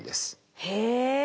へえ。